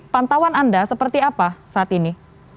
pantauan anda seperti apa saat ini